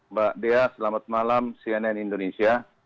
mbak dea selamat malam cnn indonesia